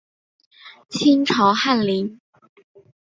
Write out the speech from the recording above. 清朝翰林。